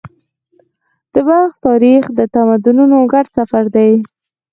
د بلخ تاریخ د تمدنونو ګډ سفر دی.